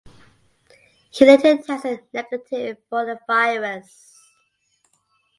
He later tested negative for the virus.